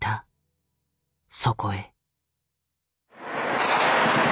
そこへ。